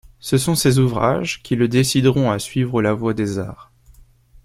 Ce sont ces ouvrages qui le décideront à suivre la voie des arts.